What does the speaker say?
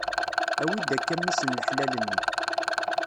Awi-d akka mmi-s n laḥlal-nni.